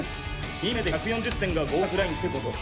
２名で１４０点が合格ラインってこと。